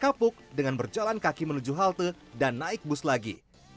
kapuk dengan berjalan kaki menuju halte dan naik bus lagi